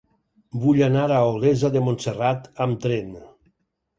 Vull anar a Olesa de Montserrat amb tren.